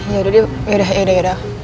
ya udah deh ya udah ya udah